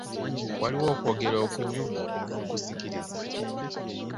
Waliwo okwogera okunyuvu n'okusikiriza.